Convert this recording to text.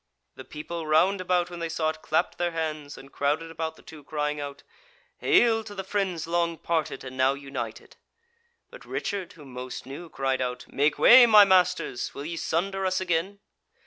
The people round about, when they saw it, clapped their hands, and crowded about the two crying out: "Hail to the friends long parted, and now united!" But Richard, whom most knew, cried out: "Make way, my masters! will ye sunder us again?"